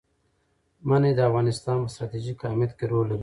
منی د افغانستان په ستراتیژیک اهمیت کې رول لري.